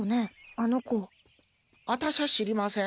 あたしゃ知りません。